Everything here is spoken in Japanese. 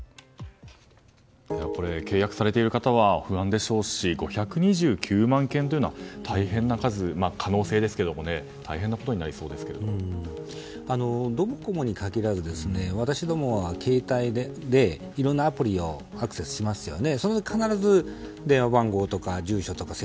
契約されている方は不安でしょうし５２９万件というのは大変な数、可能性ですがドコモに限らず、私どもは携帯でいろんなアプリをアクセスしますよね。